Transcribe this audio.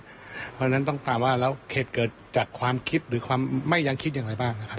เพราะฉะนั้นต้องตามว่าแล้วเหตุเกิดจากความคิดหรือความไม่ยังคิดอย่างไรบ้างนะครับ